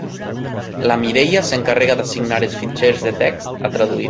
La Mireia s'encarrega d'assignar els fitxers de text a traduir.